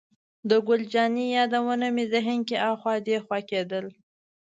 د ګل جانې یادونه مې ذهن کې اخوا دېخوا کېدل.